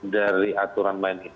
dari aturan lain